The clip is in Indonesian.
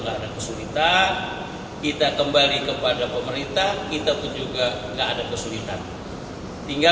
enggak ada kesulitan kita kembali kepada pemerintah kita pun juga enggak ada kesulitan tinggal